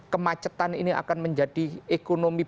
kemacetan ini akan menjadi ekonomi